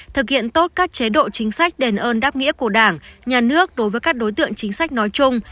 thực hiện tốt các chế độ chính sách đền ơn đáp nghĩa của đảng nhà nước đối với các đối tượng chính sách nói chung